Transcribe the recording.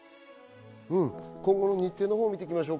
今後の日程を見ていきましょう。